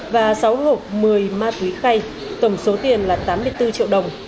và sáu hộp một mươi ma túy khay tổng số tiền là tám mươi bốn triệu đồng